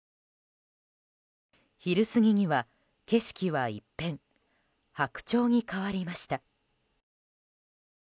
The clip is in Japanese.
昼過ぎには景色は一変白鳥に変わりました。